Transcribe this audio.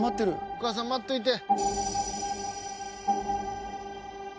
お母さん待っといて。